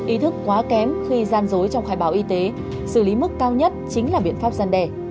ý thức quá kém khi gian dối trong khai báo y tế xử lý mức cao nhất chính là biện pháp gian đe